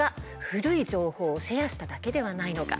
古い情報をシェアしただけではないのか。